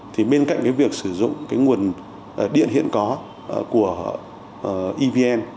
thì bên cạnh việc sử dụng nguồn điện hiện có của evn